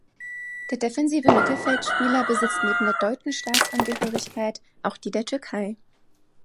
Der defensive Mittelfeldspieler besitzt neben der deutschen Staatsangehörigkeit auch die der Türkei.